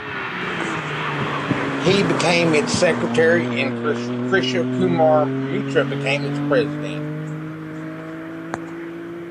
He became its secretary and Krishna Kumar Mitra became its president.